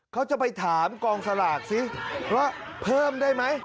เขาจะไปถามกองสลากสิว่าเพิ่มได้ไหม